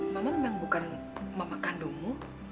mama memang bukan mama kandungmu